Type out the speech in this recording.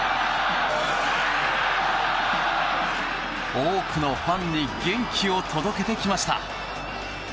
多くのファンに元気を届けてきました。